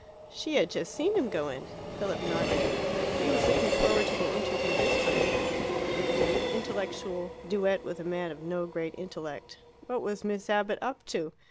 She had just seen him go in. Philip nodded. He was looking forward to the interview this time: it would be an intellectual duet with a man of no great intellect. What was Miss Abbott up to?